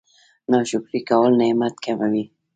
ناشکري کول نعمت کموي